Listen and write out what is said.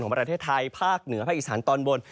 ประเทศไทยภาคเหนือภาคอีสานตอนบน